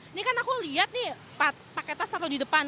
ini kan aku lihat nih pakai tas atau di depan